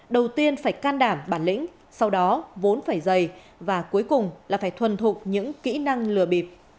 đầu tiên phải can đảm bản lĩnh sau đó vốn phải dày và cuối cùng là phải thuần thục những kỹ năng lừa bịp